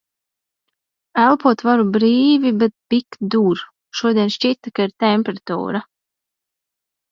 Elpot varu brīvi, bet bik dur. Šodien šķita, ka ir temperatūra.